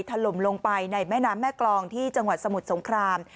ถล่มลงไปในแม่น้ำแม่กรองที่จังหวัดสมุทรสงคราม